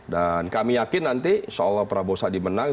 dan kami yakin nanti seolah prabowo sandi menang